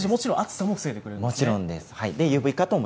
もちろん暑さも防いでくれるんでもちろんです。